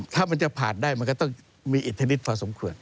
ถ้ามันจะผ่านได้มันก็ต้องมีอิทธินิตพอสมควร